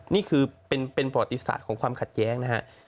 นี่คือเป็นประวัติศาสตร์ของความขัดแย้งนะฮะ